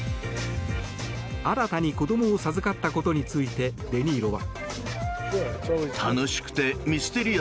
新たに子どもを授かったことについてデ・ニーロは。